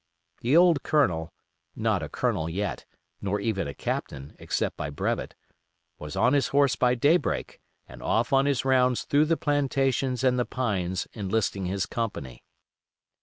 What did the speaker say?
The old Colonel, not a colonel yet, nor even a captain, except by brevet, was on his horse by daybreak and off on his rounds through the plantations and the pines enlisting his company.